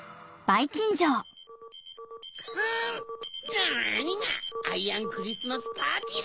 なにがアイアンクリスマスパーティーだ！